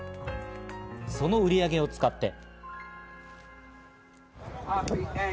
その売り上げを使って。